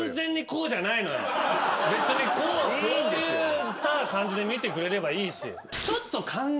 こういう感じで見てくれればいいし。